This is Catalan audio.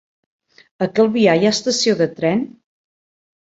A Calvià hi ha estació de tren?